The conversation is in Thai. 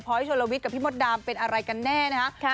ชนลวิทย์กับพี่มดดำเป็นอะไรกันแน่นะคะ